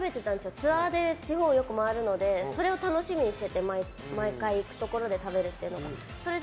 ツアーで地方、よく回るのでそれを楽しみにしてて毎回行くところで食べるというのがあって。